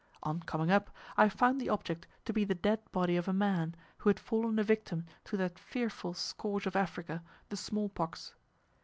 On coming up, I found the object to be the dead body of a man, who had fallen a victim to that fearful scourge of Africa, the small pox.